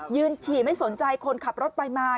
ฉี่ไม่สนใจคนขับรถไปมา